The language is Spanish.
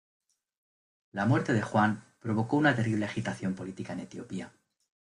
La muerte de Juan provocó una terrible agitación política en Etiopía.